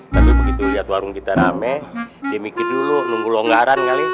tapi begitu lihat warung kita rame di mikir dulu nunggu longgaran kali